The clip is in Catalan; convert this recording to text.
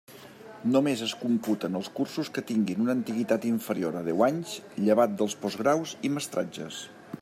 Només es computen els cursos que tinguin una antiguitat inferior a deu anys, llevat dels postgraus i mestratges.